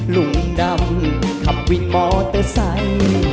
ลุงดำขับวินมอเตอร์ไซค์